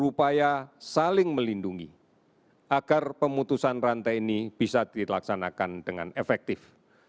berupaya saling melindungi agar pemutusan rantai ini bisa dilaksanakan dengan efektif